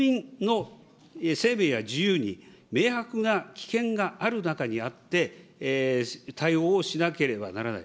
こうした国民の生命や自由に明白な危険がある中にあって、対応をしなければならない。